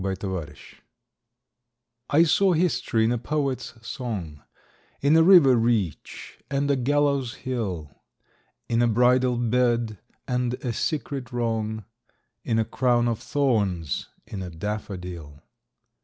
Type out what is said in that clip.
SYMBOLS I saw history in a poet's song, In a river reach and a gallows hill, In a bridal bed, and a secret wrong, In a crown of thorns: in a daffodil.